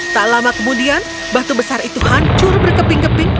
tak lama kemudian batu besar itu hancur berkeping keping